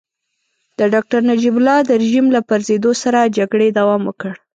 د ډاکټر نجیب الله د رژيم له پرزېدو سره جګړې دوام وکړ.